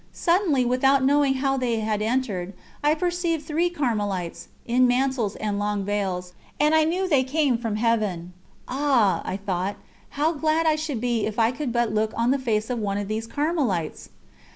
Suddenly, without knowing how they had entered, I perceived three Carmelites, in mantles and long veils, and I knew that they came from Heaven. "Ah!" I thought, "how glad I should be if I could but look on the face of one of these Carmelites!"